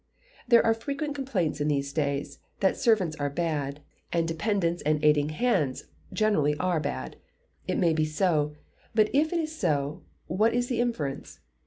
There are frequent complaints in these days, that servants are bad, and dependents and aiding hands generally are bad. It may be so. But if it is so, what is the inference?